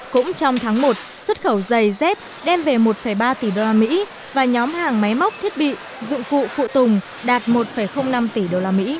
cũng trong tháng một xuất khẩu giày dép đem về một ba tỷ usd và nhóm hàng máy móc thiết bị dụng cụ phụ tùng đạt một năm tỷ usd